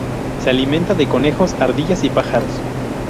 Se alimenta de conejos, ardillas y pájaros.